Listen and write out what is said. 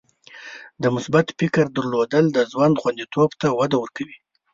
د مثبت فکر درلودل د ژوند خوندیتوب ته وده ورکوي.